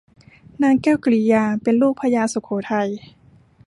นางแก้วกิริยาเป็นลูกพระยาสุโขทัย